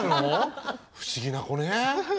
不思議な子ね。